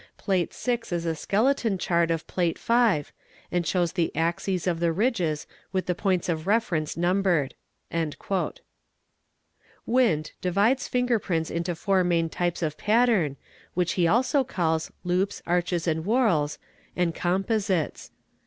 Plate VI. is" skeleton chart of Plate V. and shows the axes of the ridges with tl points of reference numbered."' asi 4 Windt divides finger prints into four main types of pattern' which ] calls "loops," ' whorls" and "composites."